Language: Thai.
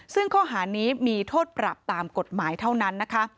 ซึ่งข้อหานี้มีโทษปรับตามกฎหมายเท่านั้นนะคะ